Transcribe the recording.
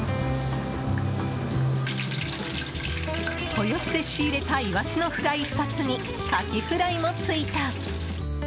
豊洲で仕入れたイワシのフライ２つにカキフライもついた